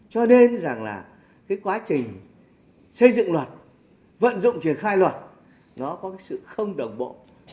cho nên rằng là cái quá trình xây dựng luật vận dụng triển khai luật nó có cái sự không đồng bộ